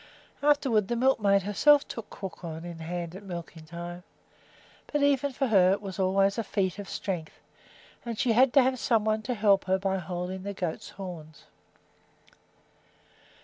Afterward the milkmaid herself took Crookhorn in hand at milking time; but even for her it was always a feat of strength, and she had to have some one to help her by holding the goat's horns.